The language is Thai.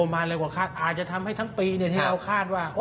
มาเร็วกว่าคาดอาจจะทำให้ทั้งปีที่เราคาดว่า